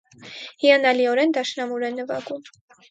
Հիանալիորեն դաշնամուր է նվագում։